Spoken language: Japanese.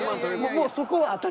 もうそこは。